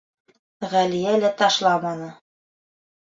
Ғәлиә лә ташламаны.